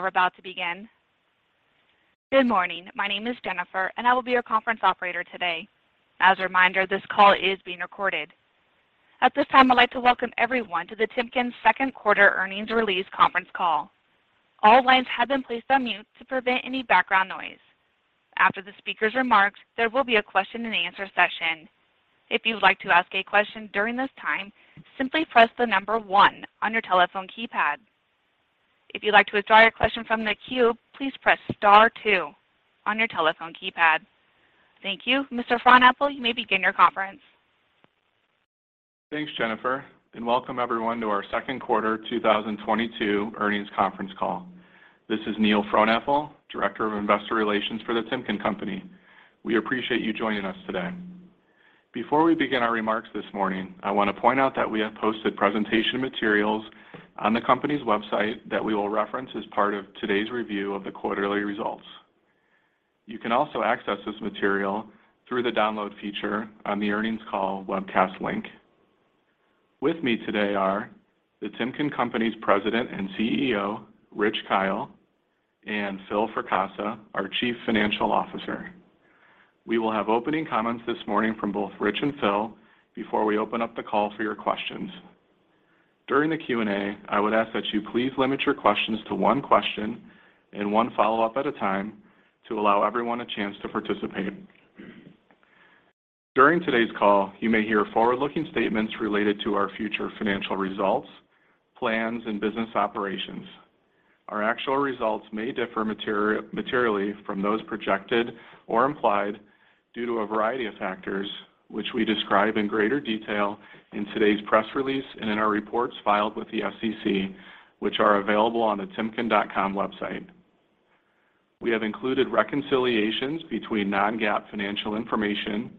We're about to begin. Good morning. My name is Jennifer, and I will be your conference operator today. As a reminder, this call is being recorded. At this time, I'd like to welcome everyone to the Timken's second quarter earnings release conference call. All lines have been placed on mute to prevent any background noise. After the speaker's remarks, there will be a question-and-answer session. If you'd like to ask a question during this time, simply press the number one on your telephone keypad. If you'd like to withdraw your question from the queue, please press star two on your telephone keypad. Thank you. Mr. Frohnapple, you may begin your conference. Thanks, Jennifer, and welcome everyone to our Second Quarter 2022 Earnings Conference Call. This is Neil Frohnapple, Director of Investor Relations for The Timken Company. We appreciate you joining us today. Before we begin our remarks this morning, I want to point out that we have posted presentation materials on the company's website that we will reference as part of today's review of the quarterly results. You can also access this material through the Download feature on the earnings call webcast link. With me today are The Timken Company's President and CEO, Richard Kyle, and Philip Fracassa, our Chief Financial Officer. We will have opening comments this morning from both Rich and Phil before we open up the call for your questions. During the Q&A, I would ask that you please limit your questions to one question and one follow-up at a time to allow everyone a chance to participate. During today's call, you may hear forward-looking statements related to our future financial results, plans, and business operations. Our actual results may differ materially from those projected or implied due to a variety of factors, which we describe in greater detail in today's press release and in our reports filed with the SEC, which are available on the timken.com website. We have included reconciliations between non-GAAP financial information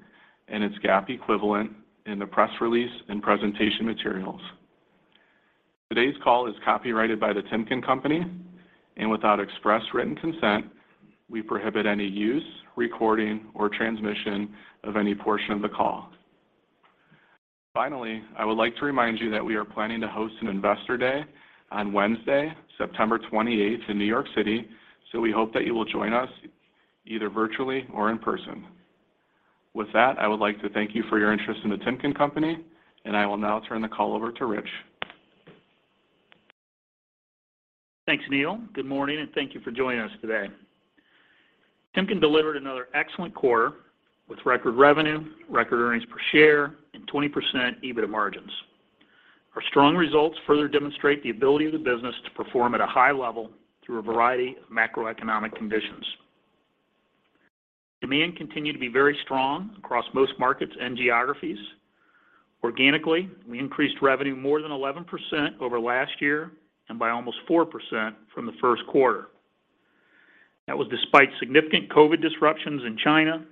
and its GAAP equivalent in the press release and presentation materials. Today's call is copyrighted by The Timken Company, and without express written consent, we prohibit any use, recording, or transmission of any portion of the call. Finally, I would like to remind you that we are planning to host an Investor Day on Wednesday, September 28th in New York City, so we hope that you will join us either virtually or in person. With that, I would like to thank you for your interest in The Timken Company, and I will now turn the call over to Rich. Thanks, Neil. Good morning, and thank you for joining us today. Timken delivered another excellent quarter with record revenue, record earnings per share, and 20% EBITDA margins. Our strong results further demonstrate the ability of the business to perform at a high level through a variety of macroeconomic conditions. Demand continued to be very strong across most markets and geographies. Organically, we increased revenue more than 11% over last year and by almost 4% from the first quarter. That was despite significant COVID disruptions in China,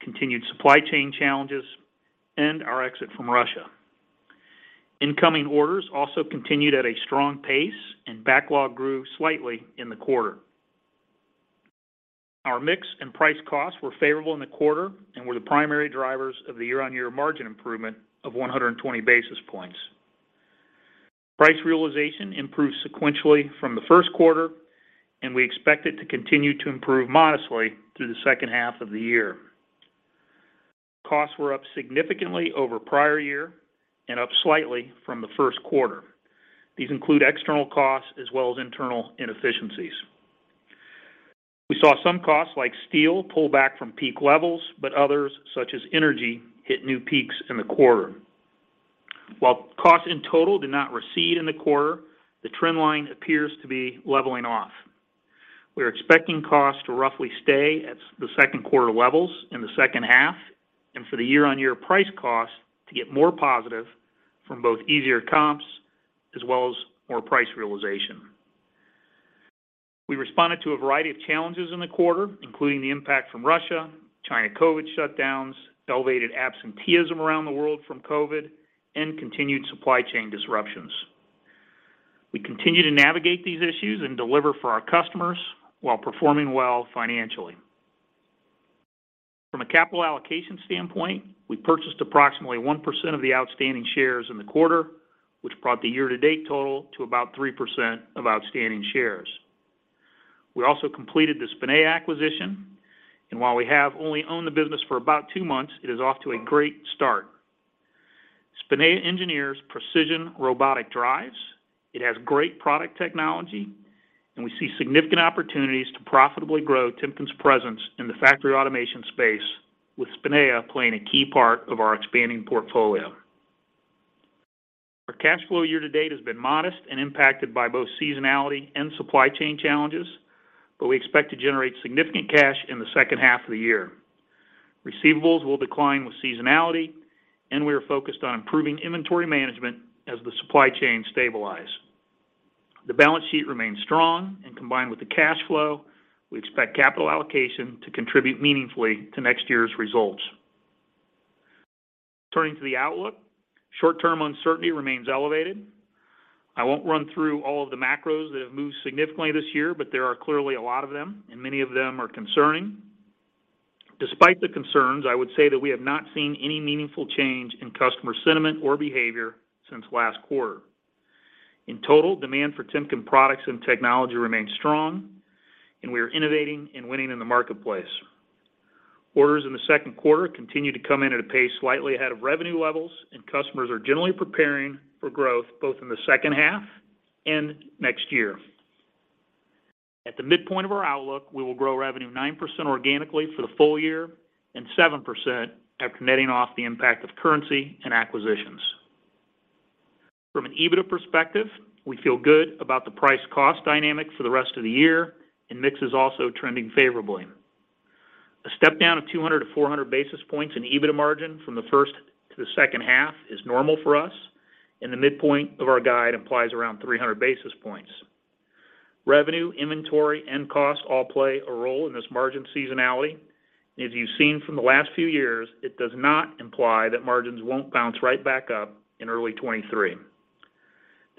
continued supply chain challenges, and our exit from Russia. Incoming orders also continued at a strong pace, and backlog grew slightly in the quarter. Our mix and price costs were favorable in the quarter and were the primary drivers of the year-on-year margin improvement of 120 basis points. Price realization improved sequentially from the first quarter, and we expect it to continue to improve modestly through the second half of the year. Costs were up significantly over prior year and up slightly from the first quarter. These include external costs as well as internal inefficiencies. We saw some costs like steel pull back from peak levels, but others, such as energy, hit new peaks in the quarter. While costs in total did not recede in the quarter, the trend line appears to be leveling off. We're expecting costs to roughly stay at the second quarter levels in the second half and for the year-on-year price cost to get more positive from both easier comps as well as more price realization. We responded to a variety of challenges in the quarter, including the impact from Russia, China COVID shutdowns, elevated absenteeism around the world from COVID, and continued supply chain disruptions. We continue to navigate these issues and deliver for our customers while performing well financially. From a capital allocation standpoint, we purchased approximately 1% of the outstanding shares in the quarter, which brought the year-to-date total to about 3% of outstanding shares. We also completed the Spinea acquisition, and while we have only owned the business for about 2 months, it is off to a great start. Spinea engineers precision robotic drives. It has great product technology, and we see significant opportunities to profitably grow Timken's presence in the factory automation space, with Spinea playing a key part of our expanding portfolio. Our cash flow year to date has been modest and impacted by both seasonality and supply chain challenges, but we expect to generate significant cash in the second half of the year. Receivables will decline with seasonality, and we are focused on improving inventory management as the supply chain stabilize. The balance sheet remains strong, and combined with the cash flow, we expect capital allocation to contribute meaningfully to next year's results. Turning to the outlook, short-term uncertainty remains elevated. I won't run through all of the macros that have moved significantly this year, but there are clearly a lot of them, and many of them are concerning. Despite the concerns, I would say that we have not seen any meaningful change in customer sentiment or behavior since last quarter. In total, demand for Timken products and technology remains strong, and we are innovating and winning in the marketplace. Orders in the second quarter continue to come in at a pace slightly ahead of revenue levels, and customers are generally preparing for growth both in the second half and next year. At the midpoint of our outlook, we will grow revenue 9% organically for the full year and 7% after netting off the impact of currency and acquisitions. From an EBITDA perspective, we feel good about the price cost dynamic for the rest of the year, and mix is also trending favorably. A step down of 200-400 basis points in EBITDA margin from the first to the second half is normal for us, and the midpoint of our guide implies around 300 basis points. Revenue, inventory, and cost all play a role in this margin seasonality. As you've seen from the last few years, it does not imply that margins won't bounce right back up in early 2023.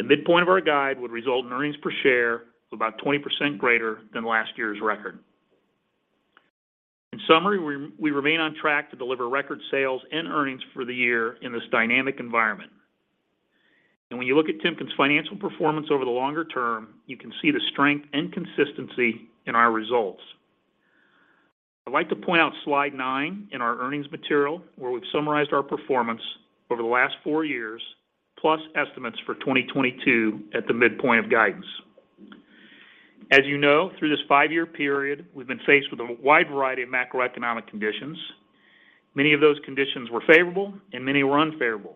The midpoint of our guide would result in earnings per share of about 20% greater than last year's record. In summary, we remain on track to deliver record sales and earnings for the year in this dynamic environment. When you look at Timken's financial performance over the longer term, you can see the strength and consistency in our results. I'd like to point out slide 9 in our earnings material, where we've summarized our performance over the last four years, plus estimates for 2022 at the midpoint of guidance. As you know, through this five-year period, we've been faced with a wide variety of macroeconomic conditions. Many of those conditions were favorable and many were unfavorable.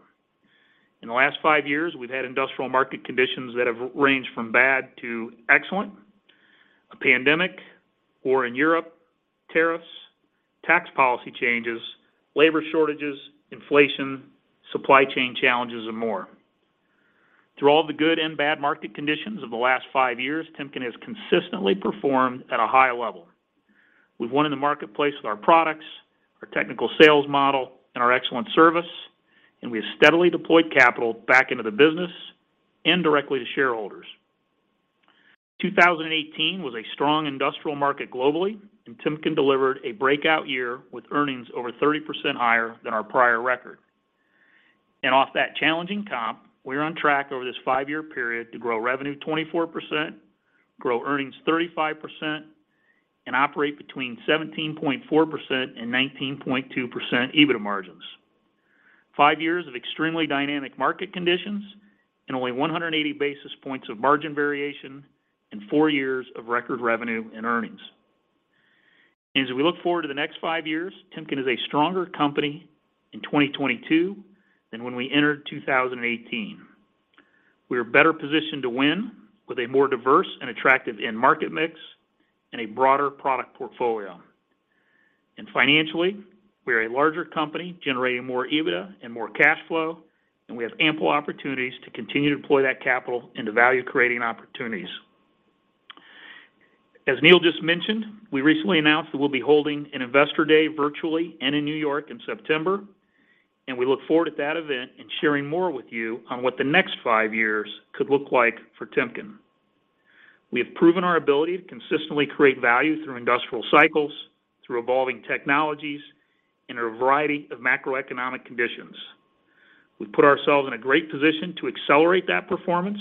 In the last five years, we've had industrial market conditions that have ranged from bad to excellent, a pandemic, war in Europe, tariffs, tax policy changes, labor shortages, inflation, supply chain challenges, and more. Through all the good and bad market conditions of the last five years, Timken has consistently performed at a high level. We've won in the marketplace with our products, our technical sales model, and our excellent service, and we have steadily deployed capital back into the business and directly to shareholders. 2018 was a strong industrial market globally, and Timken delivered a breakout year with earnings over 30% higher than our prior record. Off that challenging comp, we're on track over this five-year period to grow revenue 24%, grow earnings 35%, and operate between 17.4% and 19.2% EBITDA margins. 5 years of extremely dynamic market conditions and only 180 basis points of margin variation and 4 years of record revenue and earnings. As we look forward to the next 5 years, Timken is a stronger company in 2022 than when we entered 2018. We are better positioned to win with a more diverse and attractive end market mix and a broader product portfolio. Financially, we are a larger company generating more EBITDA and more cash flow, and we have ample opportunities to continue to deploy that capital into value-creating opportunities. As Neil just mentioned, we recently announced that we'll be holding an Investor Day virtually and in New York in September, and we look forward at that event in sharing more with you on what the next 5 years could look like for Timken. We have proven our ability to consistently create value through industrial cycles, through evolving technologies in a variety of macroeconomic conditions. We've put ourselves in a great position to accelerate that performance,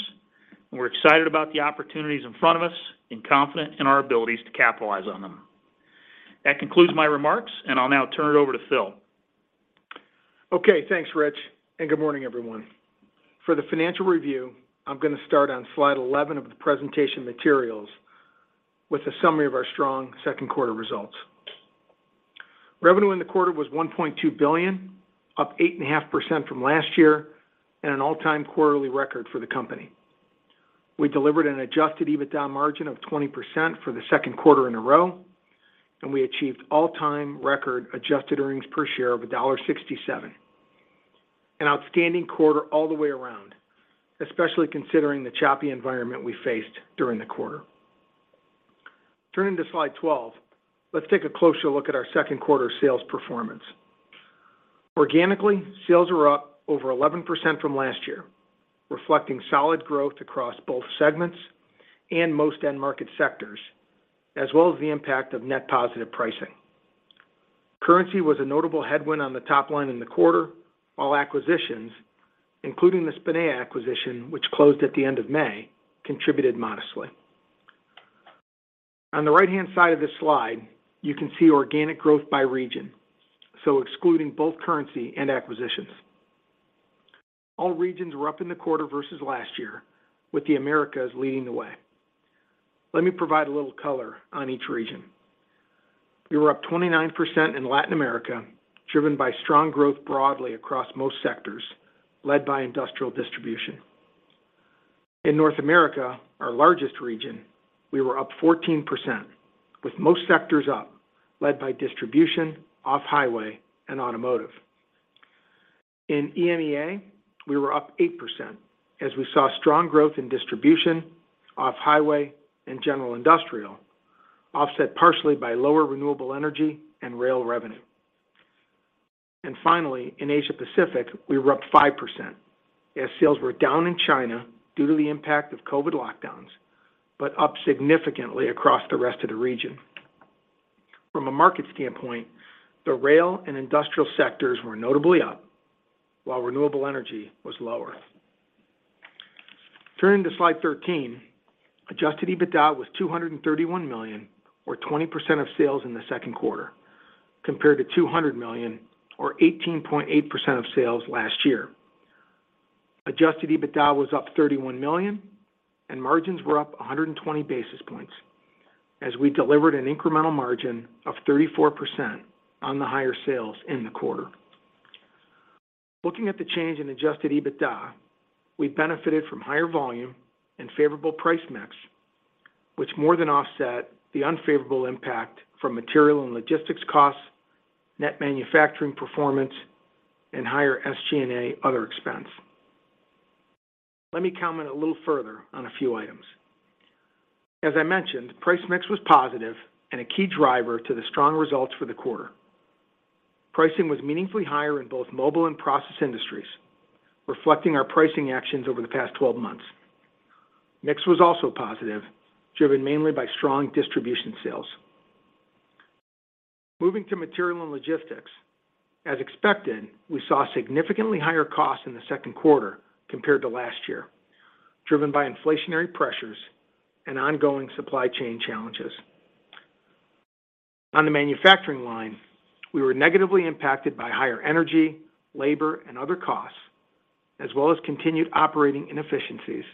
and we're excited about the opportunities in front of us and confident in our abilities to capitalize on them. That concludes my remarks, and I'll now turn it over to Phil. Okay, thanks, Rich, and good morning, everyone. For the financial review, I'm gonna start on slide 11 of the presentation materials with a summary of our strong second quarter results. Revenue in the quarter was $1.2 billion, up 8.5% from last year and an all-time quarterly record for the company. We delivered an adjusted EBITDA margin of 20% for the second quarter in a row, and we achieved all-time record adjusted earnings per share of $1.67. An outstanding quarter all the way around, especially considering the choppy environment we faced during the quarter. Turning to slide 12, let's take a closer look at our second quarter sales performance. Organically, sales are up over 11% from last year, reflecting solid growth across both segments and most end market sectors, as well as the impact of net positive pricing. Currency was a notable headwind on the top line in the quarter, while acquisitions, including the Spinea acquisition, which closed at the end of May, contributed modestly. On the right-hand side of this slide, you can see organic growth by region, so excluding both currency and acquisitions. All regions were up in the quarter versus last year, with the Americas leading the way. Let me provide a little color on each region. We were up 29% in Latin America, driven by strong growth broadly across most sectors, led by industrial distribution. In North America, our largest region, we were up 14%, with most sectors up, led by distribution, off-highway, and automotive. In EMEA, we were up 8% as we saw strong growth in distribution, off-highway, and general industrial, offset partially by lower renewable energy and rail revenue. Finally, in Asia Pacific, we were up 5% as sales were down in China due to the impact of COVID lockdowns, but up significantly across the rest of the region. From a market standpoint, the rail and industrial sectors were notably up while renewable energy was lower. Turning to slide 13, adjusted EBITDA was $231 million or 20% of sales in the second quarter compared to $200 million or 18.8% of sales last year. Adjusted EBITDA was up $31 million and margins were up 120 basis points as we delivered an incremental margin of 34% on the higher sales in the quarter. Looking at the change in adjusted EBITDA, we benefited from higher volume and favorable price mix, which more than offset the unfavorable impact from material and logistics costs, net manufacturing performance, and higher SG&A other expense. Let me comment a little further on a few items. As I mentioned, price mix was positive and a key driver to the strong results for the quarter. Pricing was meaningfully higher in both mobile and process industries, reflecting our pricing actions over the past 12 months. Mix was also positive, driven mainly by strong distribution sales. Moving to material and logistics. As expected, we saw significantly higher costs in the second quarter compared to last year, driven by inflationary pressures and ongoing supply chain challenges. On the manufacturing line, we were negatively impacted by higher energy, labor, and other costs, as well as continued operating inefficiencies,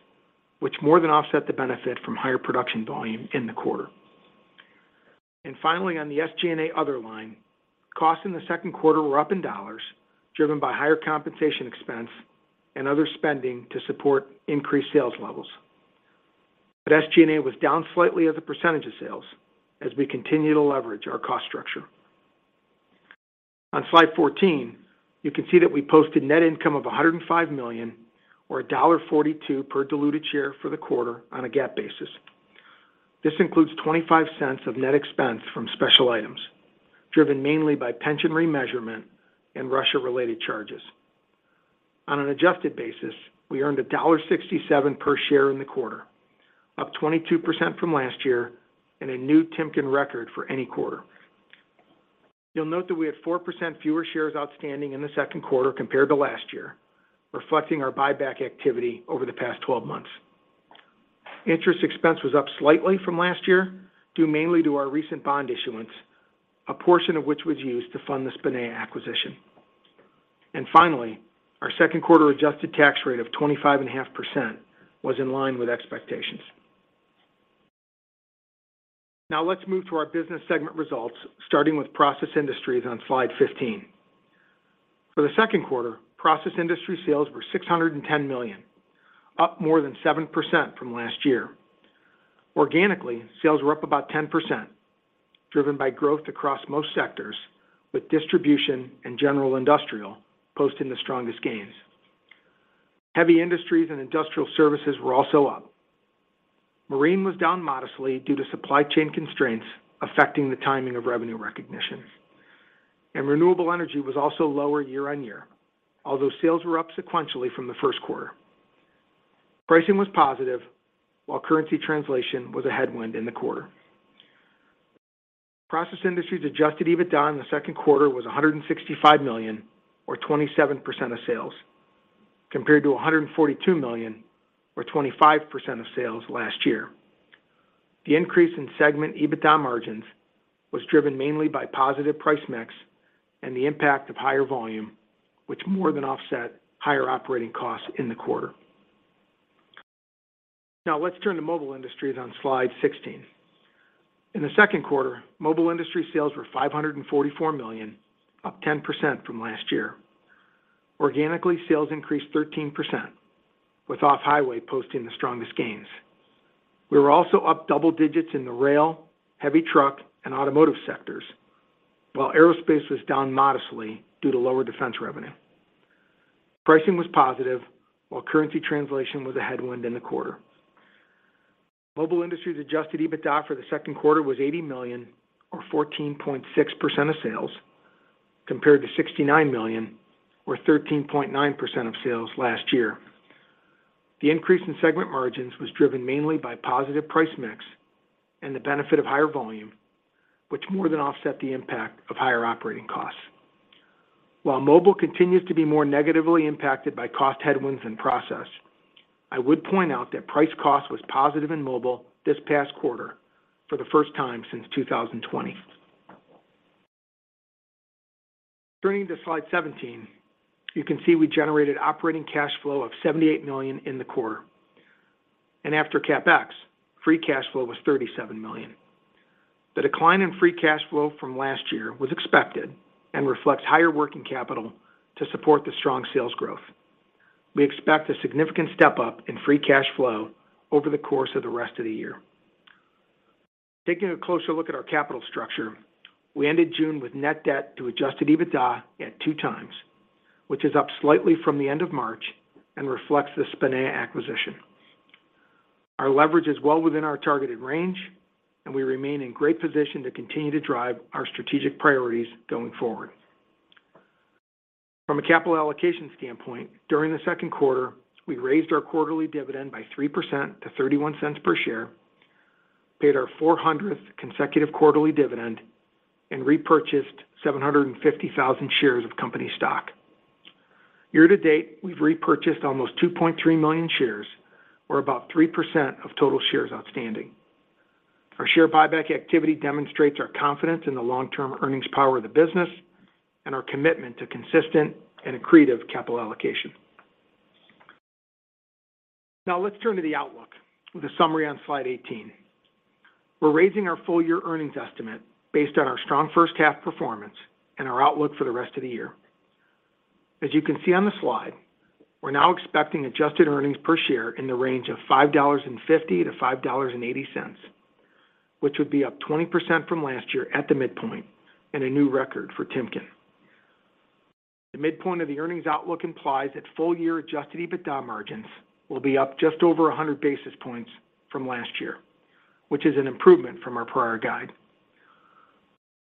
which more than offset the benefit from higher production volume in the quarter. Finally, on the SG&A other line, costs in the second quarter were up in dollars, driven by higher compensation expense and other spending to support increased sales levels. SG&A was down slightly as a percentage of sales as we continue to leverage our cost structure. On slide 14, you can see that we posted net income of $105 million or $1.42 per diluted share for the quarter on a GAAP basis. This includes $0.25 of net expense from special items driven mainly by pension remeasurement and Russia-related charges. On an adjusted basis, we earned $1.67 per share in the quarter, up 22% from last year and a new Timken record for any quarter. You'll note that we had 4% fewer shares outstanding in the second quarter compared to last year, reflecting our buyback activity over the past 12 months. Interest expense was up slightly from last year, due mainly to our recent bond issuance, a portion of which was used to fund the Spinea acquisition. Our second quarter adjusted tax rate of 25.5% was in line with expectations. Now let's move to our business segment results, starting with Process Industries on slide 15. For the second quarter, Process Industries sales were $610 million, up more than 7% from last year. Organically, sales were up about 10%, driven by growth across most sectors with distribution and general industrial posting the strongest gains. Heavy industries and industrial services were also up. Marine was down modestly due to supply chain constraints affecting the timing of revenue recognition. Renewable energy was also lower year-on-year, although sales were up sequentially from the first quarter. Pricing was positive, while currency translation was a headwind in the quarter. Process Industries adjusted EBITDA in the second quarter was $165 million or 27% of sales, compared to $142 million or 25% of sales last year. The increase in segment EBITDA margins was driven mainly by positive price mix and the impact of higher volume, which more than offset higher operating costs in the quarter. Now let's turn to mobile industries on slide 16. In the second quarter, Mobile Industries sales were $544 million, up 10% from last year. Organically, sales increased 13% with off-highway posting the strongest gains. We were also up double digits in the rail, heavy truck and automotive sectors, while aerospace was down modestly due to lower defense revenue. Pricing was positive, while currency translation was a headwind in the quarter. Mobile Industries adjusted EBITDA for the second quarter was $80 million or 14.6% of sales, compared to $69 million or 13.9% of sales last year. The increase in segment margins was driven mainly by positive price mix and the benefit of higher volume, which more than offset the impact of higher operating costs. While mobile continues to be more negatively impacted by cost headwinds than process, I would point out that price cost was positive in mobile this past quarter for the first time since 2020. Turning to slide 17, you can see we generated operating cash flow of $78 million in the quarter. After CapEx, free cash flow was $37 million. The decline in free cash flow from last year was expected and reflects higher working capital to support the strong sales growth. We expect a significant step up in free cash flow over the course of the rest of the year. Taking a closer look at our capital structure, we ended June with net debt to adjusted EBITDA at 2x, which is up slightly from the end of March and reflects the Spinea acquisition. Our leverage is well within our targeted range, and we remain in great position to continue to drive our strategic priorities going forward. From a capital allocation standpoint, during the second quarter, we raised our quarterly dividend by 3% to $0.31 per share, paid our 400th consecutive quarterly dividend, and repurchased 750,000 shares of company stock. Year to date, we've repurchased almost 2.3 million shares, or about 3% of total shares outstanding. Our share buyback activity demonstrates our confidence in the long-term earnings power of the business and our commitment to consistent and accretive capital allocation. Now let's turn to the outlook with a summary on slide 18. We're raising our full year earnings estimate based on our strong first half performance and our outlook for the rest of the year. As you can see on the slide, we're now expecting adjusted earnings per share in the range of $5.50-$5.80, which would be up 20% from last year at the midpoint and a new record for Timken. The midpoint of the earnings outlook implies that full year adjusted EBITDA margins will be up just over 100 basis points from last year, which is an improvement from our prior guide.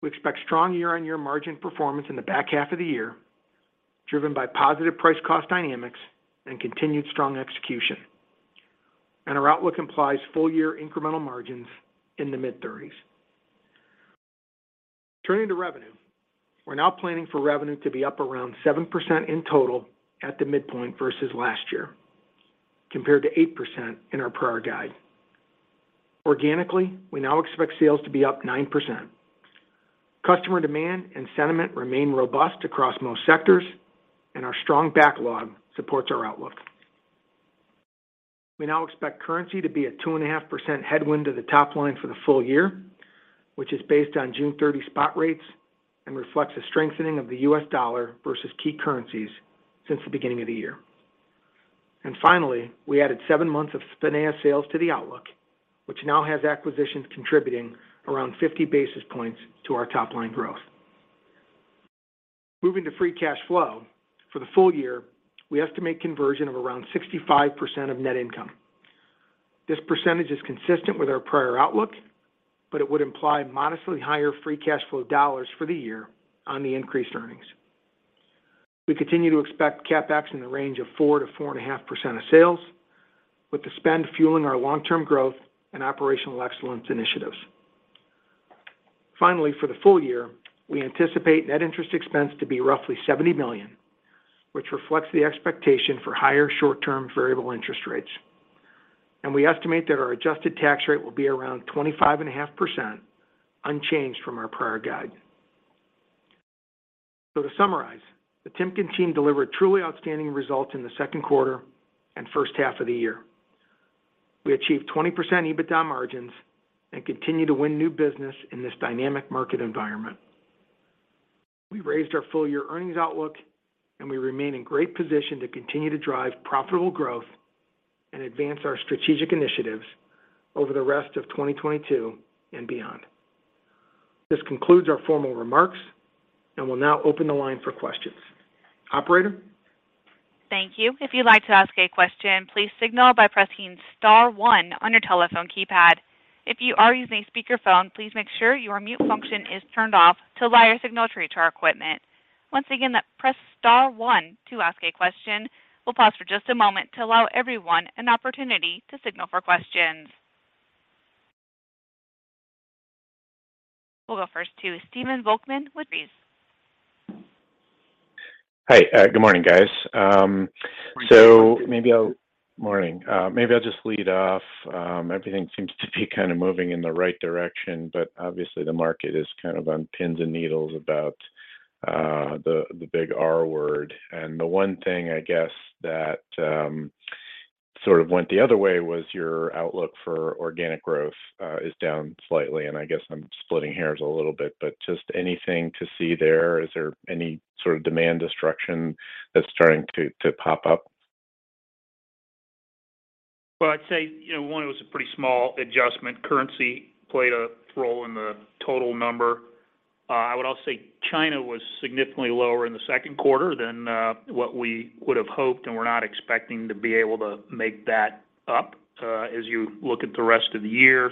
We expect strong year-on-year margin performance in the back half of the year, driven by positive price cost dynamics and continued strong execution. Our outlook implies full year incremental margins in the mid-30s. Turning to revenue, we're now planning for revenue to be up around 7% in total at the midpoint versus last year, compared to 8% in our prior guide. Organically, we now expect sales to be up 9%. Customer demand and sentiment remain robust across most sectors, and our strong backlog supports our outlook. We now expect currency to be a 2.5% headwind to the top line for the full year, which is based on June 30 spot rates and reflects a strengthening of the US dollar versus key currencies since the beginning of the year. Finally, we added 7 months of Spinea sales to the outlook, which now has acquisitions contributing around 50 basis points to our top line growth. Moving to free cash flow, for the full year, we estimate conversion of around 65% of net income. This percentage is consistent with our prior outlook, but it would imply modestly higher free cash flow dollars for the year on the increased earnings. We continue to expect CapEx in the range of 4%-4.5% of sales, with the spend fueling our long-term growth and operational excellence initiatives. Finally, for the full year, we anticipate net interest expense to be roughly $70 million, which reflects the expectation for higher short-term variable interest rates. We estimate that our adjusted tax rate will be around 25.5%, unchanged from our prior guide. To summarize, the Timken team delivered truly outstanding results in the second quarter and first half of the year. We achieved 20% EBITDA margins and continue to win new business in this dynamic market environment. We raised our full year earnings outlook, and we remain in great position to continue to drive profitable growth and advance our strategic initiatives over the rest of 2022 and beyond. This concludes our formal remarks, and we'll now open the line for questions. Operator? Thank you. If you'd like to ask a question, please signal by pressing star one on your telephone keypad. If you are using a speakerphone, please make sure your mute function is turned off to allow your signal to reach our equipment. Once again, press star one to ask a question. We'll pause for just a moment to allow everyone an opportunity to signal for questions. We'll go first to Stephen Volkmann with Jefferies. Hi. Good morning, guys. Maybe I'll Morning. Morning. Maybe I'll just lead off. Everything seems to be kind of moving in the right direction, but obviously the market is kind of on pins and needles about the big R word. The one thing, I guess, that sort of went the other way was your outlook for organic growth is down slightly, and I guess I'm splitting hairs a little bit, but just anything to see there? Is there any sort of demand destruction that's starting to pop up? Well, I'd say, you know, one, it was a pretty small adjustment. Currency played a role in the total number. I would also say China was significantly lower in the second quarter than what we would have hoped, and we're not expecting to be able to make that up as you look at the rest of the year.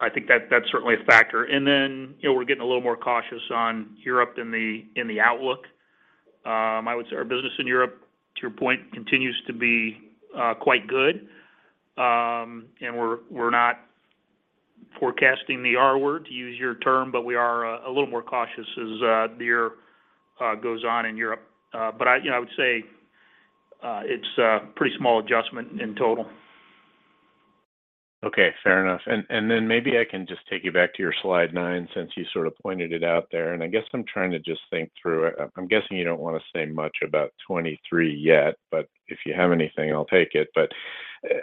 I think that's certainly a factor. You know, we're getting a little more cautious on Europe in the outlook. I would say our business in Europe, to your point, continues to be quite good. We're not forecasting the R word, to use your term, but we are a little more cautious as the year goes on in Europe. I, you know, I would say it's a pretty small adjustment in total. Okay. Fair enough. Then maybe I can just take you back to your slide 9, since you sort of pointed it out there. I guess I'm trying to just think through it. I'm guessing you don't want to say much about 2023 yet, but if you have anything, I'll take it.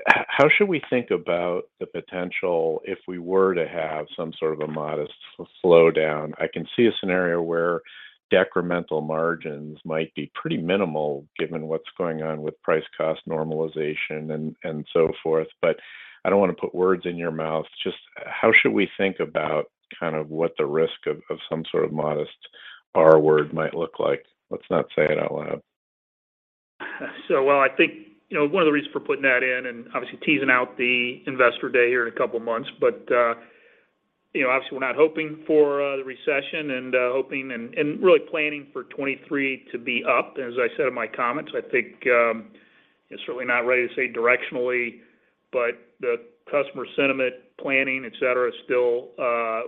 How should we think about the potential if we were to have some sort of a modest slowdown? I can see a scenario where decremental margins might be pretty minimal given what's going on with price cost normalization and so forth. I don't want to put words in your mouth. Just how should we think about kind of what the risk of some sort of modest R-word might look like. Let's not say it out loud. Well, I think, you know, one of the reasons for putting that in and obviously teasing out the Investor Day here in a couple of months. You know, obviously, we're not hoping for the recession and hoping and really planning for 2023 to be up. As I said in my comments, I think it's certainly not ready to say directionally, but the customer sentiment, planning, etc., still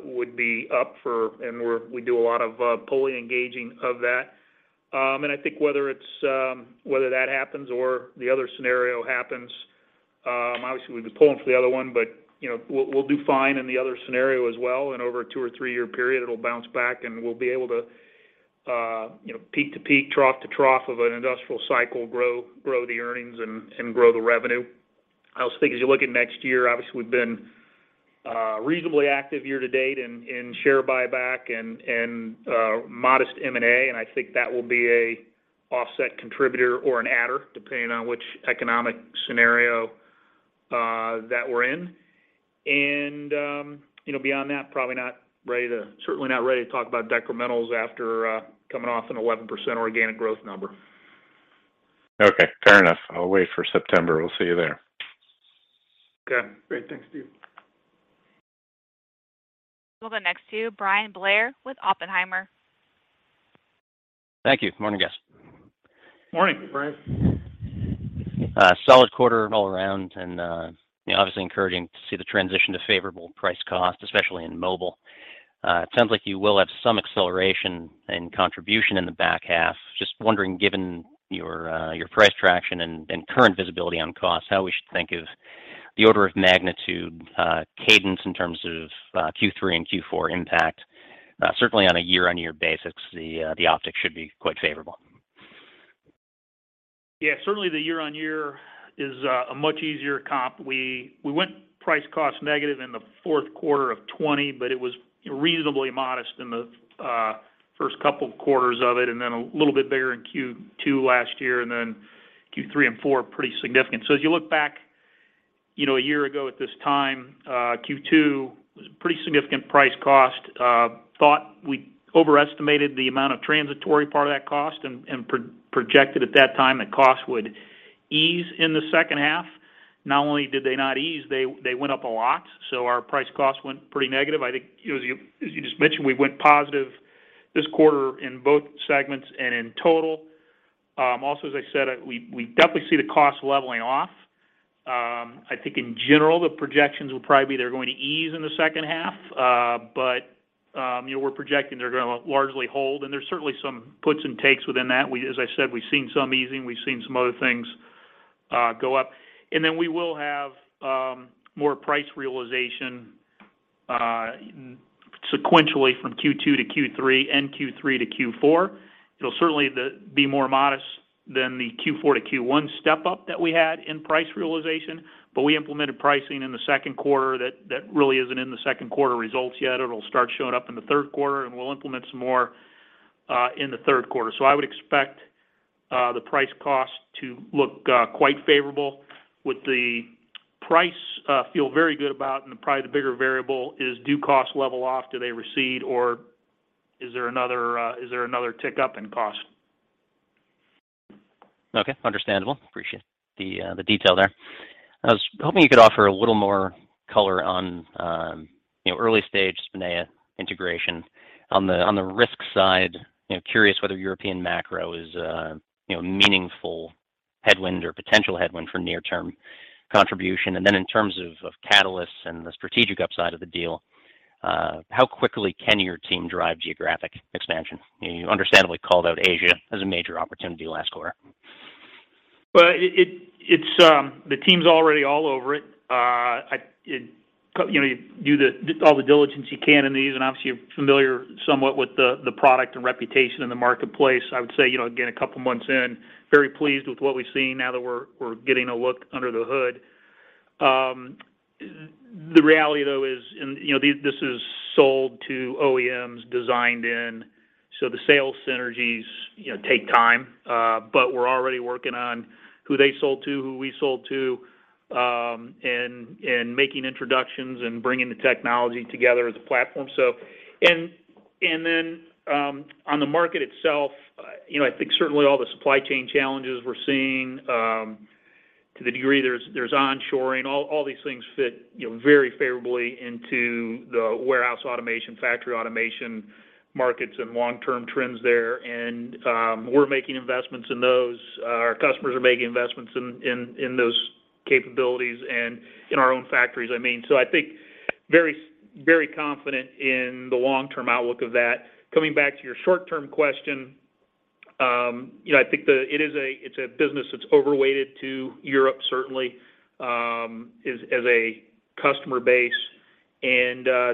would be up. We do a lot of polling, engaging of that. I think whether it's that happens or the other scenario happens, obviously, we've been pulling for the other one, but, you know, we'll do fine in the other scenario as well. Over a 2- or 3-year period, it'll bounce back, and we'll be able to, you know, peak to peak, trough to trough of an industrial cycle, grow the earnings and grow the revenue. I also think as you look at next year, obviously, we've been reasonably active year to date in share buyback and modest M&A, and I think that will be an offset contributor or an adder, depending on which economic scenario that we're in. Beyond that, probably not ready to—certainly not ready to talk about decrementals after coming off an 11% organic growth number. Okay. Fair enough. I'll wait for September. We'll see you there. Okay. Great. Thanks, Stephen. We'll go next to Bryan Blair with Oppenheimer. Thank you. Morning, guys. Morning, Bryan. Solid quarter all around and, you know, obviously encouraging to see the transition to favorable price cost, especially in mobile. It sounds like you will have some acceleration and contribution in the back half. Just wondering, given your price traction and current visibility on cost, how we should think of the order of magnitude, cadence in terms of Q3 and Q4 impact. Certainly on a year-on-year basis, the optics should be quite favorable. Yeah. Certainly, the year-on-year is a much easier comp. We went price cost negative in the fourth quarter of 2020, but it was reasonably modest in the first couple quarters of it, and then a little bit bigger in Q2 last year, and then Q3 and Q4, pretty significant. As you look back, you know, a year ago at this time, Q2 was a pretty significant price cost. Thought we overestimated the amount of transitory part of that cost and projected at that time that costs would ease in the second half. Not only did they not ease, they went up a lot. Our price cost went pretty negative. I think, you know, as you just mentioned, we went positive this quarter in both segments and in total. Also, as I said, we definitely see the cost leveling off. I think in general, the projections will probably be they're going to ease in the second half. You know, we're projecting they're gonna largely hold, and there's certainly some puts and takes within that. As I said, we've seen some easing, we've seen some other things go up. Then we will have more price realization sequentially from Q2 to Q3 and Q3 to Q4. It'll certainly be more modest than the Q4 to Q1 step up that we had in price realization. We implemented pricing in the second quarter that really isn't in the second quarter results yet. It'll start showing up in the third quarter, and we'll implement some more in the third quarter. I would expect the price cost to look quite favorable. With the price, feel very good about, and probably the bigger variable is, do costs level off? Do they recede, or is there another tick up in costs? Okay. Understandable. Appreciate the detail there. I was hoping you could offer a little more color on, you know, early stage Spinea integration. On the risk side, you know, curious whether European macro is, you know, meaningful headwind or potential headwind for near-term contribution. In terms of catalysts and the strategic upside of the deal, how quickly can your team drive geographic expansion? You know, you understandably called out Asia as a major opportunity last quarter. Well, it's. The team's already all over it. You know, you do all the diligence you can in these, and obviously you're familiar somewhat with the product and reputation in the marketplace. I would say, you know, again, a couple of months in, very pleased with what we've seen now that we're getting a look under the hood. The reality, though, is, you know, this is sold to OEMs designed in, so the sales synergies, you know, take time. But we're already working on who they sold to, who we sold to, and making introductions and bringing the technology together as a platform. On the market itself, you know, I think certainly all the supply chain challenges we're seeing, to the degree there's onshoring, all these things fit, you know, very favorably into the warehouse automation, factory automation markets and long-term trends there. We're making investments in those. Our customers are making investments in those capabilities and in our own factories, I mean. I think very confident in the long-term outlook of that. Coming back to your short-term question, you know, I think it's a business that's overweighted to Europe, certainly, as a customer base.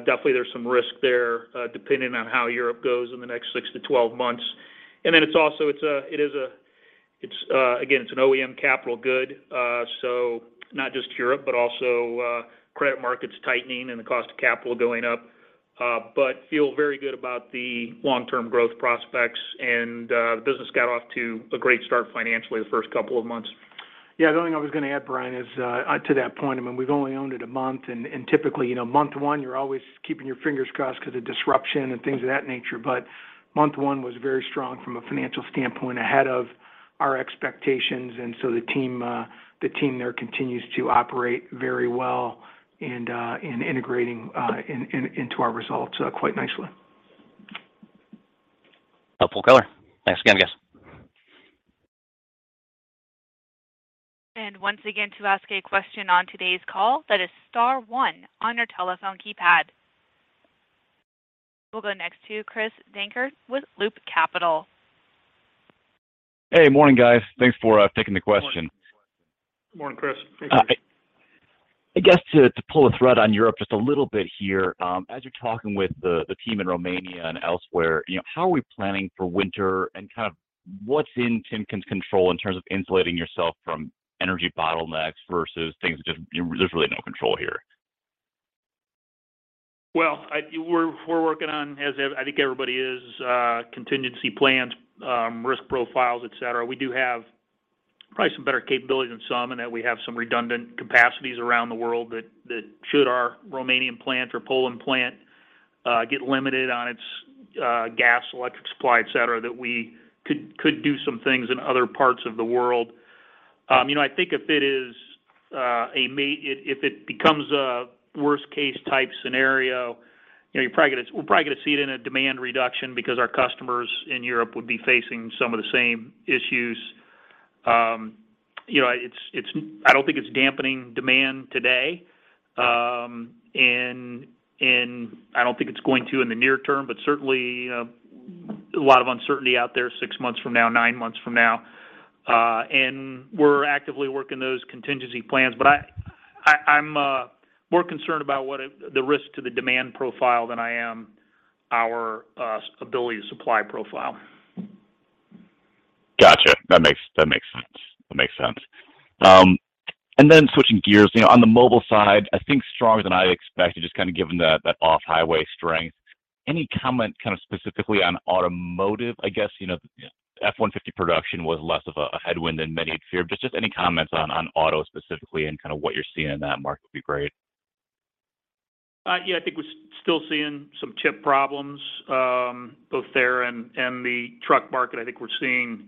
Definitely there's some risk there, depending on how Europe goes in the next 6-12 months. It's an OEM capital good, so not just Europe, but also credit markets tightening and the cost of capital going up. Feel very good about the long-term growth prospects. The business got off to a great start financially the first couple of months. Yeah, the only thing I was going to add, Bryan, is to that point, I mean, we've only owned it a month, and typically, you know, month one, you're always keeping your fingers crossed because of disruption and things of that nature. Month one was very strong from a financial standpoint, ahead of our expectations. The team there continues to operate very well and in integrating into our results quite nicely. Helpful color. Thanks again, guys. Once again, to ask a question on today's call, that is star one on your telephone keypad. We'll go next to Chris Dankert with Loop Capital Markets. Hey, morning, guys. Thanks for taking the question. Morning. Morning, Chris. I guess to pull a thread on Europe just a little bit here. As you're talking with the team in Romania and elsewhere, you know, how are we planning for winter and kind of what's in Timken's control in terms of insulating yourself from energy bottlenecks versus things just there's really no control here? Well, we're working on, as I think everybody is, contingency plans, risk profiles, et cetera. We do have probably some better capabilities than some in that we have some redundant capacities around the world that should our Romanian plant or Poland plant get limited on its gas, electric supply, et cetera, that we could do some things in other parts of the world. You know, I think if it becomes a worst case type scenario, you know, we're probably going to see it in a demand reduction because our customers in Europe would be facing some of the same issues. You know, I don't think it's dampening demand today. I don't think it's going to in the near term, but certainly a lot of uncertainty out there six months from now, nine months from now. We're actively working those contingency plans. I'm more concerned about the risk to the demand profile than I am our ability to supply profile. Gotcha. That makes sense. Switching gears, you know, on the mobile side, I think stronger than I expected, just kind of given that off-highway strength. Any comment kind of specifically on automotive? I guess, you know, F-150 production was less of a headwind than many had feared. Just any comments on auto specifically and kind of what you're seeing in that market would be great. I think we're still seeing some chip problems both there and the truck market. I think we're seeing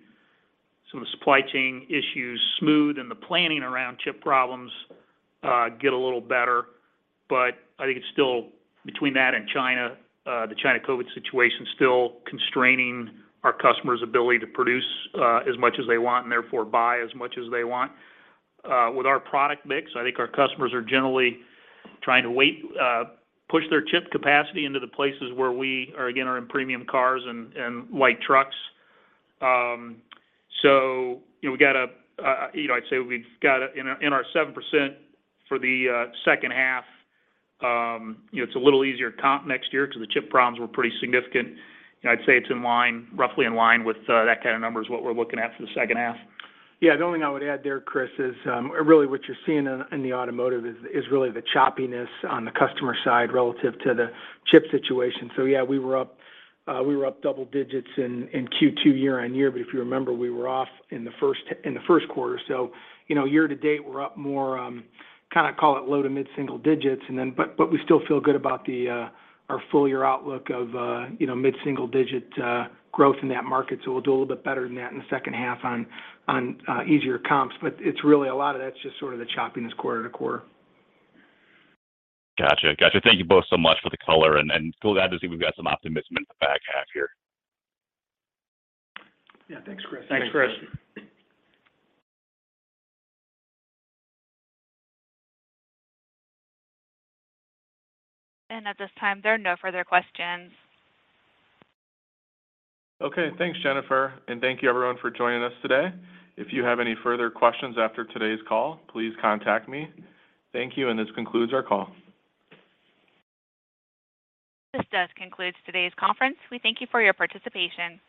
some of the supply chain issues smooth and the planning around chip problems get a little better. I think it's still between that and China, the China COVID situation still constraining our customers' ability to produce as much as they want and therefore buy as much as they want. With our product mix, I think our customers are generally trying to push their chip capacity into the places where we are again in premium cars and light trucks. You know, I'd say we've got a... In our 7% for the second half, you know, it's a little easier comp next year because the chip problems were pretty significant. You know, I'd say it's in line, roughly in line with that kind of number is what we're looking at for the second half. Yeah, the only thing I would add there, Chris, is really what you're seeing in the automotive is really the choppiness on the customer side relative to the chip situation. We were up double-digit in Q2 year-on-year, but if you remember, we were off in the first quarter. You know, year to date, we're up more, kinda call it low- to mid-single-digit. But we still feel good about our full year outlook of, you know, mid-single-digit growth in that market. We'll do a little bit better than that in the second half on easier comps. It's really a lot of that's just sort of the choppiness quarter-to-quarter. Gotcha. Thank you both so much for the color, and still glad to see we've got some optimism in the back half here. Yeah. Thanks, Chris. Thanks, Chris. At this time, there are no further questions. Okay. Thanks, Jennifer, and thank you everyone for joining us today. If you have any further questions after today's call, please contact me. Thank you, and this concludes our call. This does conclude today's conference. We thank you for your participation.